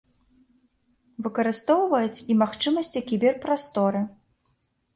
Выкарыстоўваюць і магчымасці кібер-прасторы.